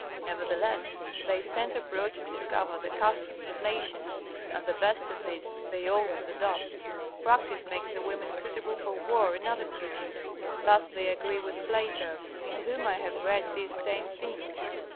Nevertheless, they send abroad to discover the customs of nations, and the best of these they always adopt. Practice makes the women suitable for war and other duties. Thus they agree with Plato, in whom I have read these same things.